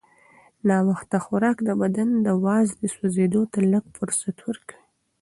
ناوخته خوراک د بدن د وازدې سوځېدو ته لږ فرصت ورکوي.